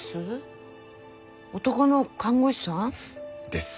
男の看護師さん？です。